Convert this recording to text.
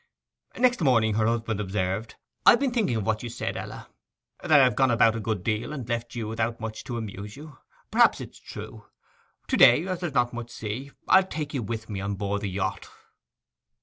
Next morning her husband observed: 'I've been thinking of what you said, Ell: that I have gone about a good deal and left you without much to amuse you. Perhaps it's true. To day, as there's not much sea, I'll take you with me on board the yacht.